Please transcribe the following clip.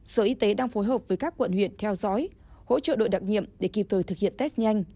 sở y tế đang phối hợp với các quận huyện theo dõi hỗ trợ đội đặc nhiệm để kịp thời thực hiện test nhanh